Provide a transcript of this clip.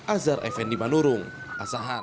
azhar effendi manurung asahan